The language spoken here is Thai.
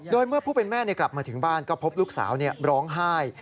โดยเมื่อผู้เป็นแม่กลับมาถึงบ้านก็พบลูกสาวร้องไห้